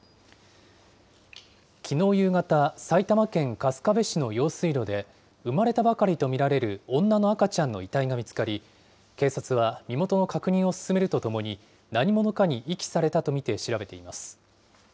きのう夕方、埼玉県春日部市の用水路で、生まれたばかりと見られる女の赤ちゃんの遺体が見つかり、警察は、身元の確認を進めるとともに、何者かに遺棄されたと見て調べています。